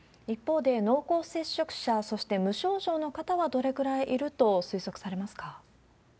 一方で、濃厚接触者、そして無症状の方はどれぐらいいると推測されますか？